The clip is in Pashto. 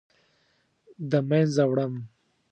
د مینځه وړم